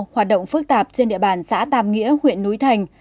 hoạt động phức tạp trên địa bàn xã tàm nghĩa huyện núi thành